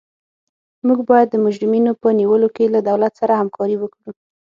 موږ باید د مجرمینو په نیولو کې له دولت سره همکاري وکړو.